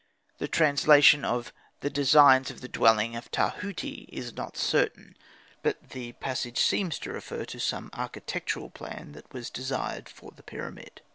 The translation of "the designs of the dwelling of Tahuti" is not certain; but the passage seems to refer to some architectural plan which was desired for the pyramid.